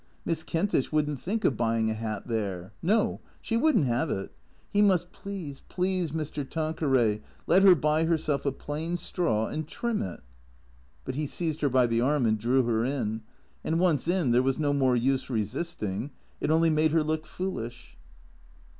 Miss Kentish would n't think of buying a hat there. No, she would n't have it. He must please, please, Mr, Tanqueray, let her buy herself a plain straw and trim it. But he seized her by the arm and drew her in. And once in there was no more use resisting, it only made her look foolish.